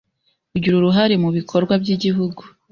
ugira uruhare mu bikorwa by’Igihugu